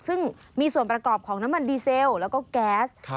ซึ่งมีส่วนประกอบของน้ำมันดีเซลแล้วก็แก๊ส